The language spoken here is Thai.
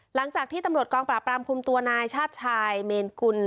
หลังจากที่ตำรวจกองปราบรามคุมตัวนายชาติชายเมนกุล